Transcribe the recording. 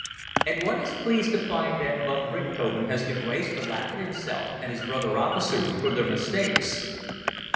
And one is pleased to find that von Richthofen has the grace to laugh at himself and his brother officers for their mistakes.